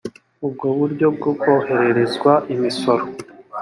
ubwo buryo bwo korohererezwa imisoro